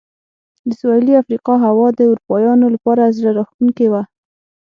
د سوېلي افریقا هوا د اروپایانو لپاره زړه راښکونکې وه.